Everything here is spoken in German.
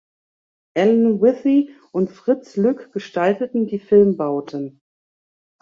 Alan Withy und Fritz Lück gestalteten die Filmbauten.